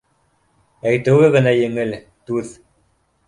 Әйтеүе генә еңел — түҙ.